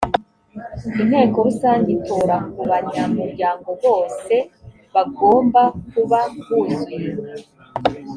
inteko rusange itora ku banyamuryango bose bagomba kuba buzuye